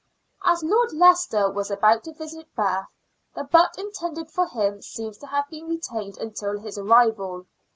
As Lord Leicester was about to visit Bath, the butt intended for him seems to have been retained until his arrival.